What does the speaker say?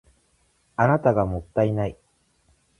あなたがもったいない